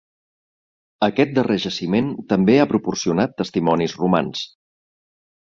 Aquest darrer jaciment també ha proporcionat testimonis romans.